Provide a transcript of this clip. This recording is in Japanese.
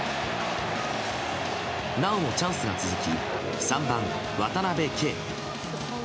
なおもチャンスが続き３番、渡辺憩。